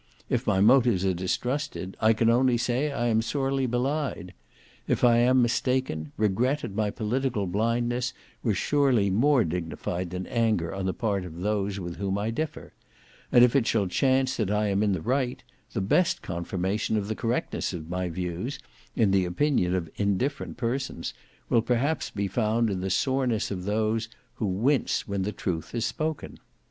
If my motives are distrusted, I can only say, I am sorely belied. If I am mistaken, regret at my political blindness were surely more dignified than anger on the part of those with whom I differ; and if it shall chance that I am in the right, the best confirmation of the correctness of my views, in the opinion of indifferent persons, will perhaps be found in the soreness of those, who wince when the truth is spoken.